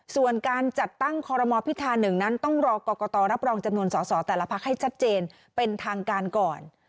ส่วนการจัดตั้งคอรมอพิธา๑นั้นต้องรอกรกตรับรองจำนวนสอสอแต่ละพักให้ชัดเจนเป็นทางการก่อน